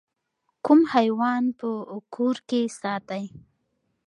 کوم حیوان په کور کې ساتئ؟